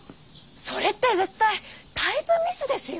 それって絶対タイプミスですよ。